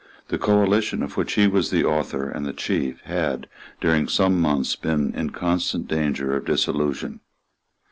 The coalition of which he was the author and the chief had, during some months, been in constant danger of dissolution.